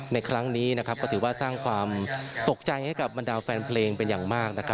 ในครั้งนี้นะครับก็ถือว่าสร้างความตกใจให้กับบรรดาแฟนเพลงเป็นอย่างมากนะครับ